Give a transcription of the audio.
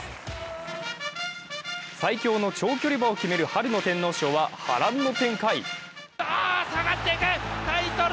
最強の長距離馬を決める春の天皇賞は波乱の展開。